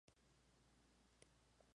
Se opone a al derecho al aborto.